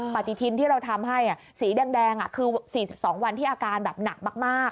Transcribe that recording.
ปฏิทินที่เราทำให้สีแดงคือ๔๒วันที่อาการแบบหนักมาก